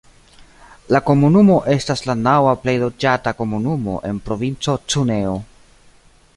La komunumo estas la naŭa plej loĝata komunumo en provinco Cuneo.